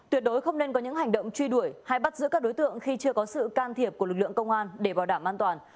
tuyệt đối không nên có những hành động truy đuổi hay bắt giữ các đối tượng khi chưa có sự can thiệp của lực lượng công an để bảo đảm an toàn